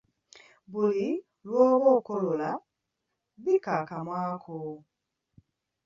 Buli lw’oba okolola, bikka akamwa ko.